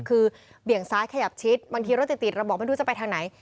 คือเบี่ยงซ้ายขยับชิดบางทีรถจะติดเราบอกไม่รู้จะไปทางไหน